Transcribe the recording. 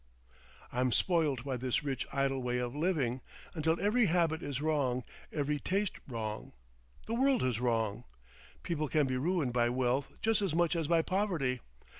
"I'm spoilt by this rich idle way of living, until every habit is wrong, every taste wrong. The world is wrong. People can be ruined by wealth just as much as by poverty.